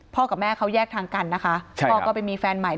พ่อกับแม่เขาแยกทางกันนะคะใช่ครับพ่อก็ไปมีแฟนใหม่